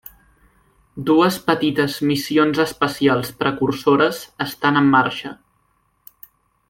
Dues petites missions espacials precursores estan en marxa.